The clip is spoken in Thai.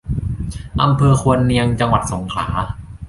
อำเภอควนเนียง จังหวัดสงขลา